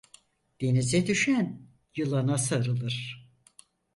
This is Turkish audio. Denize düşen yılana sarılır.